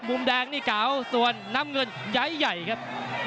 มุมแดงนี่เก๋าส่วนน้ำเงินย้ายใหญ่ครับ